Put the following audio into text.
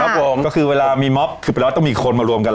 ก็คือเวลามีม็อบคือแปลว่าต้องมีคนมารวมกัน